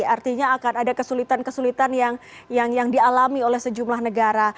artinya akan ada kesulitan kesulitan yang dialami oleh sejumlah negara